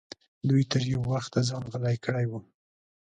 دوی تر یو وخته ځان غلی کړی و.